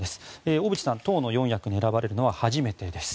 小渕さん党の四役に選ばれるのは初めてです。